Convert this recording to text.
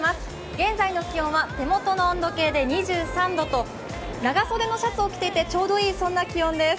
現在の気温は手元の温度計で２３度と長袖のシャツを着ていてちょうどいい、そんな気温です。